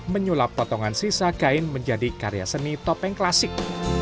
menyulap potongan sisa kain menjadi karya seni topeng klasik